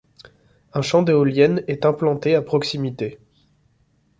Un champ d'éoliennes est implanté à proximité.